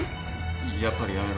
やっぱりやめろ。